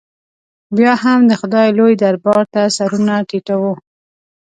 بیا هم د خدای لوی دربار ته سرونه ټیټو.